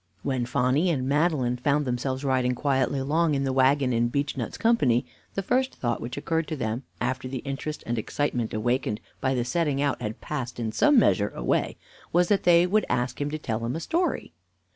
When Phonny and Madeline found themselves riding quietly along in the wagon in Beechnut's company, the first thought which occurred to them, after the interest and excitement awakened by the setting out had passed in some measure away, was that they would ask him to tell them a story.